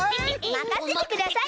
まかせてくださいよ。